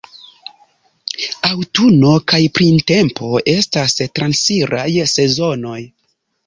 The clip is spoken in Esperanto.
Aŭtuno kaj printempo estas transiraj sezonoj.